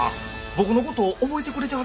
僕のこと覚えてくれてはる？